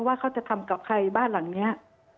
ว่าเขาจะทำกับใครบ้านหลังนี้